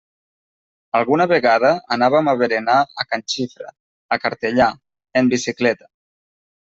Alguna vegada anàvem a berenar a can Xifra, a Cartellà, en bicicleta.